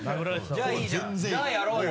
じゃあやろうよ！